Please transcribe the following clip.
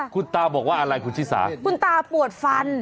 คุณตาบอกว่าอะไรคุณชิสาคุณตาปวดฟัน